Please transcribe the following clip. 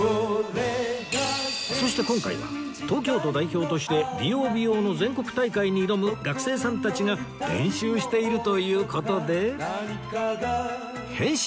そして今回は東京都代表として理容・美容の全国大会に挑む学生さんたちが練習しているという事で変身